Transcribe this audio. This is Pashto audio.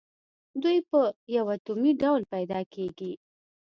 دوی په یو اتومي ډول پیداکیږي.